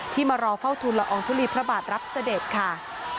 มารอเฝ้าทุนละอองทุลีพระบาทรับเสด็จค่ะ